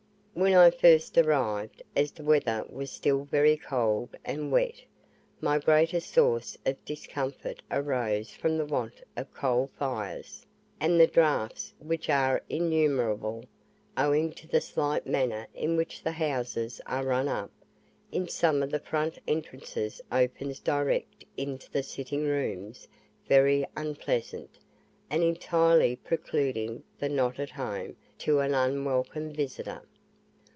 When I first arrived, as the weather was still very cold and wet, my greatest source of discomfort arose from the want of coal fires, and the draughts, which are innumerable, owing to the slight manner in which the houses are run up; in some the front entrance opens direct into the sitting rooms, very unpleasant, and entirely precluding the "not at home" to an unwelcome visitor.